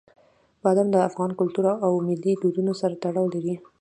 بادام د افغان کلتور او ملي دودونو سره تړاو لري.